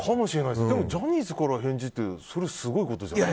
でもジャニーズから返事ってそれ、すごいことですよね。